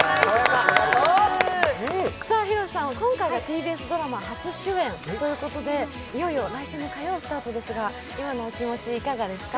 広瀬さん、今回がＴＢＳドラマ初主演ということでいよいよ来週の火曜スタートですが今のお気持ち、いかがですか？